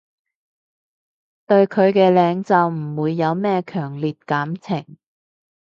對佢嘅領袖唔會有咩強烈感情